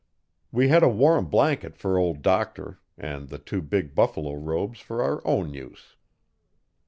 We had a warm blanket for Old Doctor and two big buffalo robes for our own use.